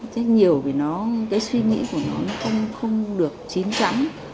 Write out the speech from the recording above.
trách nhiều vì cái suy nghĩ của nó không được chín chắn